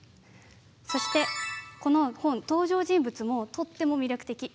そして、この本登場人物もとっても魅力的。